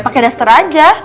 pakai duster aja